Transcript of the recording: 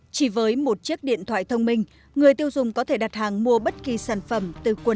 chỉ với một chiếc điện thoại thông minh người tiêu dùng có thể đặt hàng mua bất kỳ sản phẩm từ quần áo